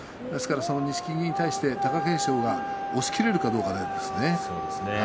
錦木に対して貴景勝が押しきれるかどうかですね。